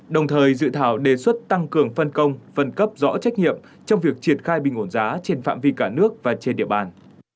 đồng thời dự thảo đề xuất tăng cường phân công phân cấp rõ trách nhiệm trong việc triển khai bình ổn giá trên phạm vi cả nước và trên địa bàn